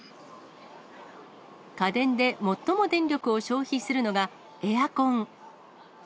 家電で最も電力を消費するのが、エアコン。